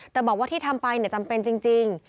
แต่บอกว่าที่ทำไปจำเป็นจริง